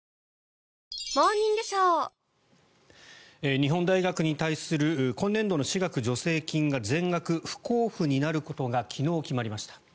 日本大学に対する今年度の私学助成金が全額不交付になることが昨日、決まりました。